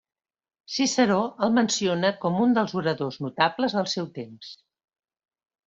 Ciceró el menciona com un dels oradors notables del seu temps.